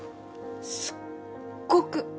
すっごく。